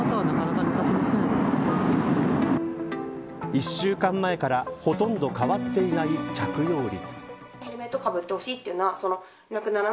１週間前からほとんど変わっていない着用率。